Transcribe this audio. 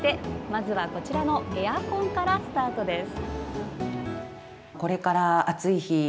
まずはこちらのエアコンからスタートです。